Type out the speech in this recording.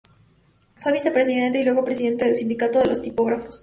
Fue Vicepresidente y luego Presidente del sindicato de los tipógrafos.